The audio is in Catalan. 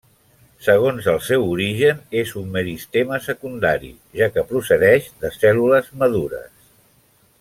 Segons el seu origen, és un meristema secundari, ja que procedeix de cèl·lules madures.